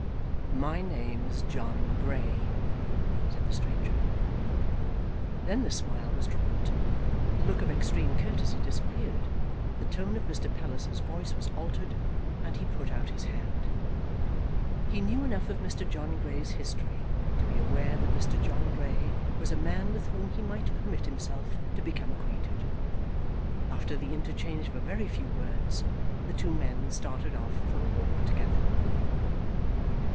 "My name is John Grey," said the stranger. Then the smile was dropped, the look of extreme courtesy disappeared, the tone of Mr. Palliser's voice was altered, and he put out his hand. He knew enough of Mr. John Grey's history to be aware that Mr. John Grey was a man with whom he might permit himself to become acquainted. After the interchange of a very few words, the two men started off for a walk together.